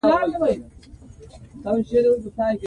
افغانستان په تالابونه غني دی.